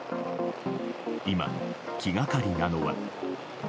今、気がかりなのは。